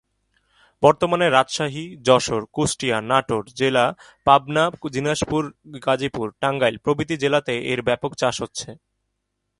বর্তমানে রাজশাহী, যশোর, কুষ্টিয়া, নাটোর জেলা, পাবনা, দিনাজপুর, গাজীপুর, টাংগাইল প্রভৃতি জেলাতে এর ব্যাপক চাষ হচ্ছে।